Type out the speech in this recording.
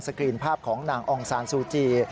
กรีนภาพของนางองซานซูจี